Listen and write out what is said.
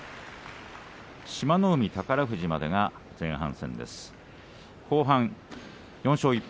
志摩ノ海、宝富士までが前半戦です。